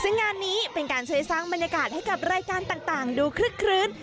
ซึ่งงานนี้เป็นการช่วยสร้างบรรยากาศให้กับรายการต่างดูคลึกคลื้น